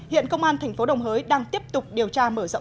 hiện công an tp đồng hới đang tiếp tục điều tra mở rộng vụ án